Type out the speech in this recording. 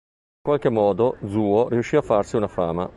In qualche modo, Zuo riuscì a farsi una fama.